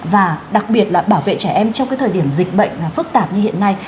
và đặc biệt là bảo vệ trẻ em trong cái thời điểm dịch bệnh phức tạp như hiện nay